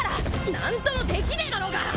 何ともできねえだろうが！